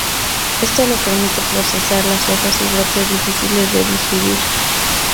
Esto le permite procesar las hojas y brotes difíciles de digerir.